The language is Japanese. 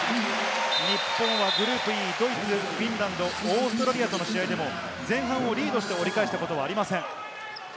日本はグループＥ、ドイツ、フィンランド、オーストラリアとの試合でも前半をリードして折り返したことはありません。